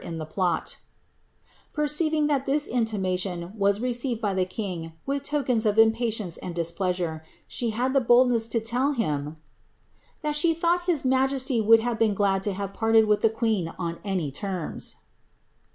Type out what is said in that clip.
'King James's JonmsL i CATHARIHE OF BRAOANZA* 307 plot^ Perceiving that this intimation was received by the king with tokens of impatience and displeasure, she had the boldness to tell him ^ that she thought his majesty would have been glad to have parted with the queen on any terms."